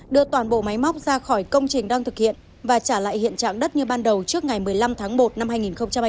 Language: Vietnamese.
đưa toàn bộ máy móc ra khỏi công trình đang thực hiện và trả lại hiện trạng đất như ban đầu trước ngày một mươi năm tháng một năm hai nghìn hai mươi